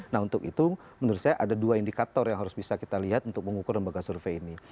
nah untuk itu menurut saya ada dua indikator yang harus bisa kita lihat untuk mengukur lembaga survei ini